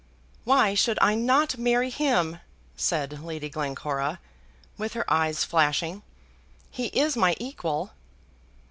"Why should I not marry him?" said Lady Glencora, with her eyes flashing. "He is my equal."